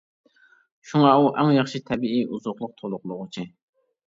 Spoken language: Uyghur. شۇڭا ئۇ ئەڭ ياخشى تەبىئىي ئوزۇقلۇق تولۇقلىغۇچى.